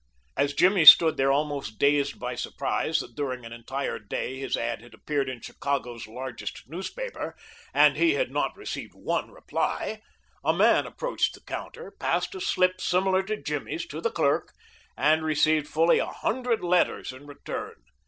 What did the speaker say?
As Jimmy stood there almost dazed by surprise that during an entire day his ad had appeared in Chicago's largest newspaper, and he had not received one reply, a man approached the counter, passed a slip similar to Jimmy's to the clerk, and received fully a hundred letters in return.